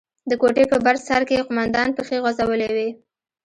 د کوټې په بر سر کښې قومندان پښې غځولې وې.